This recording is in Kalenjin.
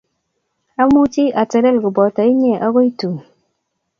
Amuchi atelel kopoto inye agoi tun